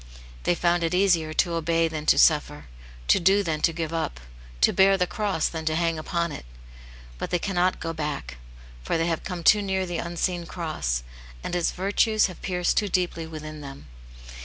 They found it easier to obey than to suffer — to do than to give up — to bear the cross than to hang upon it : but they cannot go back, for they have come too near the unseen cross, and its virtues have pierced too deeply within them.